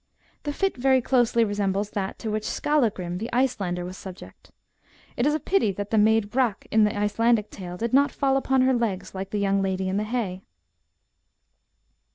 The fit very closely resembles that to which Skallagrim, the Icelander, was subject. It is a pity that the maid Brak in the Icelandic tale did not fall upon her legs like the young lady in the hay.